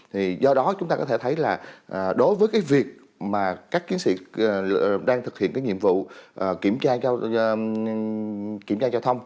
thì do đó chúng ta có thể thấy là đối với cái việc mà các chiến sĩ đang thực hiện cái nhiệm vụ kiểm tra giao thông